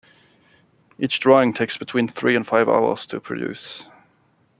Each drawing takes between three and five hours to produce.